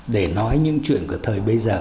để nói những chuyện của thời bây giờ